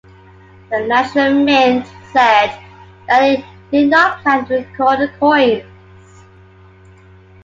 The national mint said that it did not plan to recall the coins.